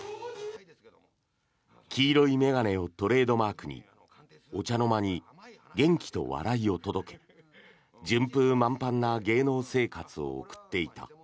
黄色い眼鏡をトレードマークにお茶の間に元気と笑いを届け順風満帆な芸能生活を送っていた。